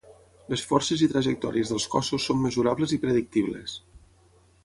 Les forces i trajectòries dels cossos són mesurables i predictibles.